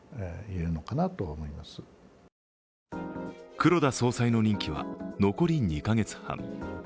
黒田総裁の任期は残り２カ月半。